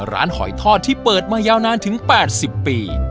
หอยทอดที่เปิดมายาวนานถึง๘๐ปี